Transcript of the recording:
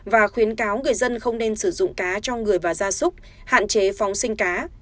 và khuyến cáo người dân không nên sử dụng cá cho người và gia súc hạn chế phóng sinh cá